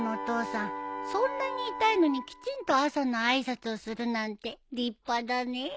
そんなに痛いのにきちんと朝の挨拶をするなんて立派だねえ。